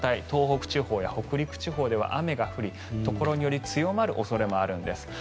東北地方や北陸地方では雨が降りところにより強まる恐れもあるんです。